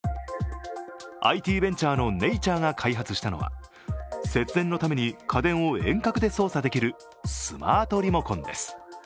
ＩＴベンチャーのＮａｔｕｒｅが開発したのは節電のために家電を遠隔で操作できるスマートリモコンです。